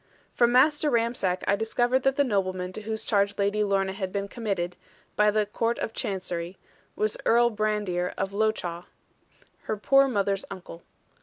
From Master Ramsack I discovered that the nobleman to whose charge Lady Lorna had been committed, by the Court of Chancery, was Earl Brandir of Lochawe, her poor mother's uncle.